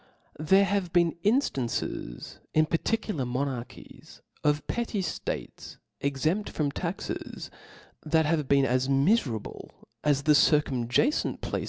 nr^ HERE have been inftances in particular ■*• monarchies, of petty ftates exempt from taxeS) thit has been as miferable as the circum